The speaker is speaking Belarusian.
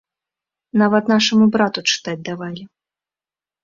Нават нашаму брату чытаць давалі.